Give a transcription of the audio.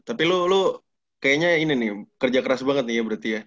tapi lu lo kayaknya ini nih kerja keras banget nih ya berarti ya